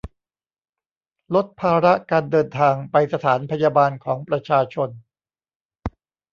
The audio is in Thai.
ลดภาระการเดินทาง ไปสถานพยาบาลของประชาชน